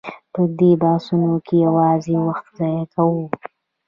په دې بحثونو کې یوازې وخت ضایع کوو.